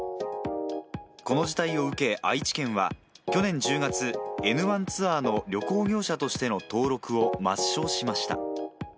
この事態を受け、愛知県は、去年１０月、エヌワンツアーの旅行業者としての登録を抹消しました。